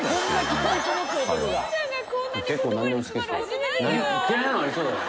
嫌いなのありそうだね。